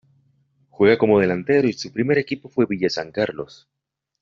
Juega como delantero y su primer equipo fue Villa San Carlos.